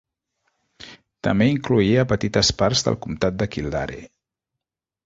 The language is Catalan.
També incloïa petites parts del Comtat de Kildare.